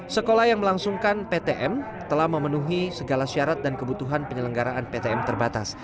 sekolah yang melangsungkan ptm telah memenuhi segala syarat dan kebutuhan penyelenggaraan ptm terbatas